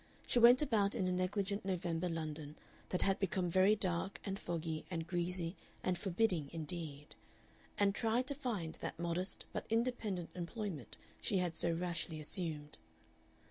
She went about in a negligent November London that had become very dark and foggy and greasy and forbidding indeed, and tried to find that modest but independent employment she had so rashly assumed.